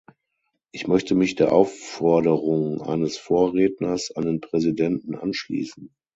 Ich möchte mich der Aufforderung eines Vorredners an den Präsidenten anschließen.